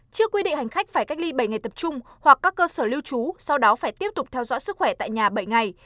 trước quy định hành khách phải cách ly bảy ngày tập trung hoặc các cơ sở lưu trú sau đó phải tiếp tục theo dõi sức khỏe tại nhà bảy ngày